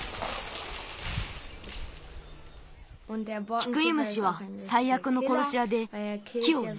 キクイムシはさいあくのころしやで木をね